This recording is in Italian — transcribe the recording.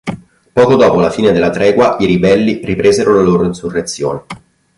Poco dopo la fine della tregua, i ribelli ripresero la loro insurrezione.